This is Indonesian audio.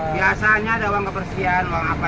biasanya ada uang kebersihan uang apa